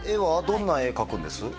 どんな絵描くんです？